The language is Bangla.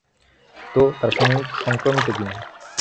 তো, তারা সংক্রামিত কি-না?